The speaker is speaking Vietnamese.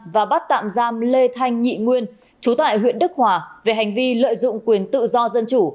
và bắt tạm giam lê thanh nhị nguyên chú tại huyện đức hòa về hành vi lợi dụng quyền tự do dân chủ